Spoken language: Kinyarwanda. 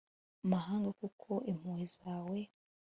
mahanga, kuko impuhwe zawe